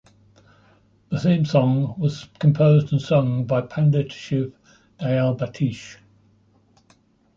The theme song was composed and sung by Pandit Shiv Dayal Batish.